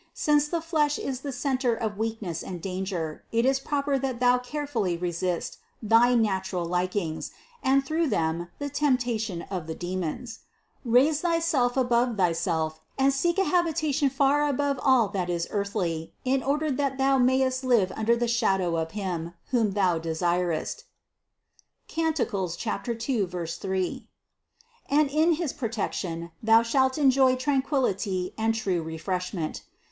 Since the flesh is the center of weakness and danger, it is proper that thou carefully resist thy natural likings, and through them the temptations of the demons. Raise thyself above thy self, and seek a habitation far above all that is earthly in order that thou mayest live under the shadow of Him, whom thou desirest (Cant. 2, 3) and in his protection thou shalt enjoy tranquillity and true refreshment.